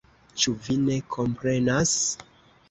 Ĉu vi ne komprenas?